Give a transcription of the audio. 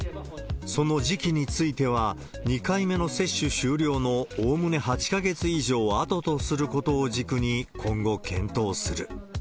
その時期については、２回目の接種終了のおおむね８か月以上あととすることを軸に今後、検討する。